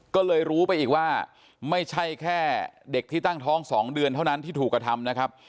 ก็เลยรู้ไปอีกว่าไม่ใช่แค่เด็กที่ตั้งท้อง๒เดือนเท่านั้นที่ถูกกระทำนะครับ